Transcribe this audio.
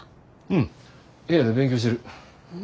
うん部屋で勉強してる。